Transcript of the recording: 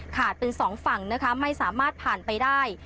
เป็นสองฝั่งนะคะไม่สามารถผ่านไปได้